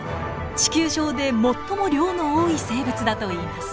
地球上で最も量の多い生物だといいます。